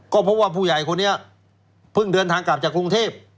ก็เพราะว่าผู้ใหญ่คนนี้เพิ่งเดินทางกลับจากกรุงเทพ